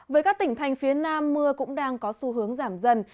với các tỉnh thành phía nam mưa cũng đang có xu hướng giảm dần